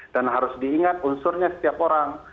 dan harus diingat unsurnya setiap orang